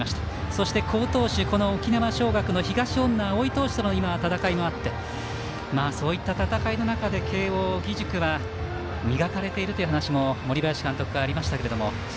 そして好投手沖縄尚学の東恩納蒼との戦いもあってそういった戦いの中で慶応義塾は磨かれているという話も森林監督からありましたけれども。